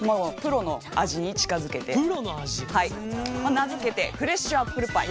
名付けてフレッシュアップルパイ。